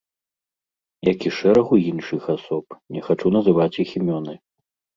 Як і шэрагу іншых асоб, не хачу называць іх імёны.